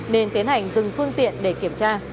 nên tiến hành dừng phương tiện để kiểm tra